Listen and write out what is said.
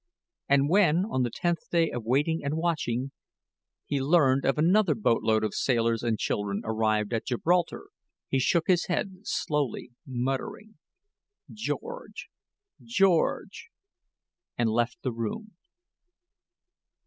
And when, on the tenth day of waiting and watching, he learned of another boat load of sailors and children arrived at Gibraltar, he shook his head, slowly, muttering: "George, George," and left the room.